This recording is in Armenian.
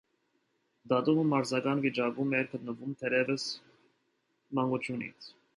Տատումը մարզական վիճակում էր գտնվում դեռևս մանկությունից։